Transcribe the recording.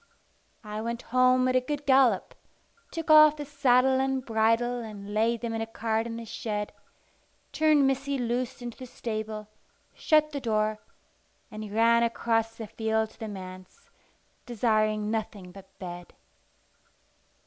I went home at a good gallop, took off the saddle and bridle and laid them in a cart in the shed, turned Missy loose into the stable, shut the door, and ran across the field to the manse, desiring nothing but bed.